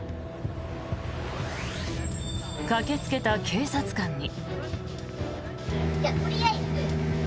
駆けつけた警察官に。